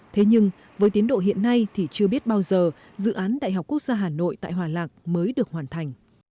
thế nhưng với tiến độ hiện nay thì chưa biết bao giờ dự án đại học quốc gia hà nội tại hòa lạc mới được hoàn thành